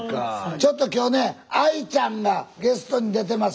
ちょっと今日ねＡＩちゃんがゲストに出てます。